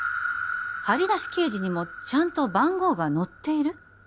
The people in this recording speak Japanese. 張り出し掲示にもちゃんと番号が載っている？